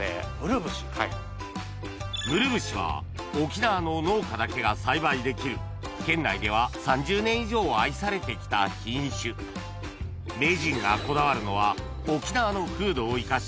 群星は沖縄の農家だけが栽培できる県内では３０年以上愛されてきた品種名人がこだわるのはこの土がですね。